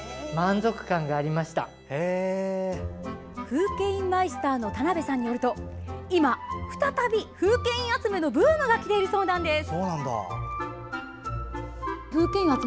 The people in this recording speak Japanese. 風景印マイスターの田辺さんによると今、再び風景印集めのブームがきているそうなんです。